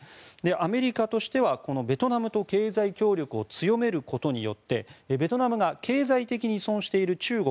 アメリカとしてはベトナムと経済協力を強めることによってベトナムが経済的に依存している中国